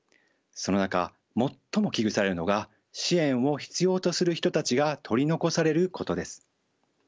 その中最も危惧されるのが支援を必要とする人たちが取り残されることです。